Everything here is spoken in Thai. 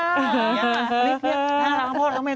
อันนี้น่ารักทั้งพ่อทั้งแม่